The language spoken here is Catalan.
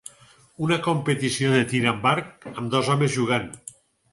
una competició de tir amb arc amb dos homes jugant